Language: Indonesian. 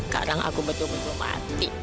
kadang aku betul betul mati